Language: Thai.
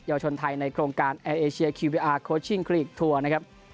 เยาวชนไทยในโครงการแอร์เอเชียคลีกทัวร์นะครับ